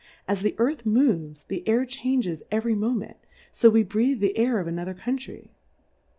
As the Earth moves, tlie Air changes every Moment, fo we breath the Air of another Country.